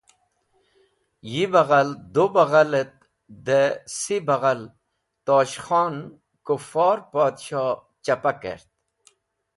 Yi baghal, du baghal et dẽ seh baghal Tosh Khon Kufor Podshoh chapa kert.